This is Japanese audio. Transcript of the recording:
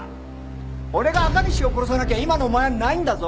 俺が赤西を殺さなきゃ今のお前はないんだぞ。